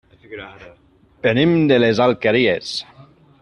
Venim de les Alqueries.